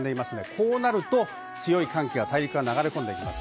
こうなると強い寒気が大陸から流れ込んできます。